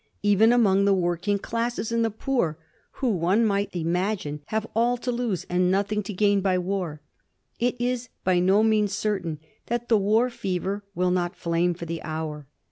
Even among the working classes and the poor — who, one might imagine, have all to lose and nothing to gain by war — it is by no means certain that the war fever will not flame for the hour.